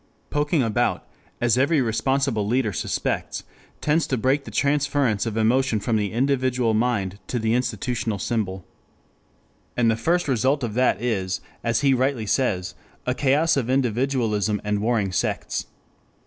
Poking about, as every responsible leader suspects, tends to break the transference of emotion from the individual mind to the institutional symbol. And the first result of that is, as he rightly says, a chaos of individualism and warring sects.